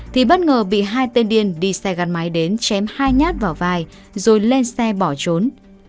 thì bất ngờ bị hai tên điên đi xe gắn máy đến chém hai nhát vào vai rồi lên xe bỏ trốn